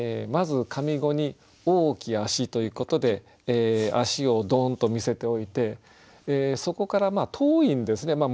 まず上五に「おおき足」ということで足をどんと見せておいてそこから遠いんですね。